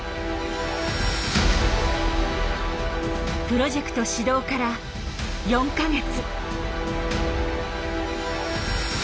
プロジェクト始動から４か月。